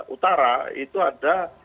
utara itu ada